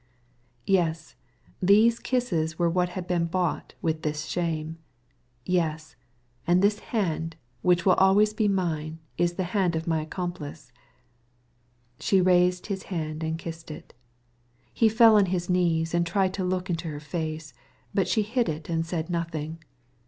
"Yes, these kisses—that is what has been bought by this shame. Yes, and one hand, which will always be mine—the hand of my accomplice." She lifted up that hand and kissed it. He sank on his knees and tried to see her face; but she hid it, and said nothing.